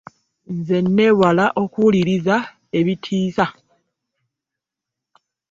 Nze nneewala okuwuliriza ebitiisa.